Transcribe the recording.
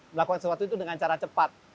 melakukan sesuatu itu dengan cara cepat